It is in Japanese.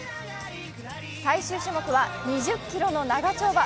最終種目は２０ｋｍの長丁場。